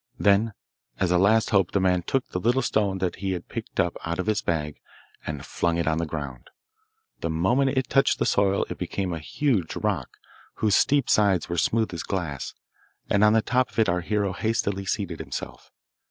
Then as a last hope the man took the little stone that he had picked up out of his bag and flung it on the ground. The moment it touched the soil it became a huge rock, whose steep sides were smooth as glass, and on the top of it our hero hastily seated himself.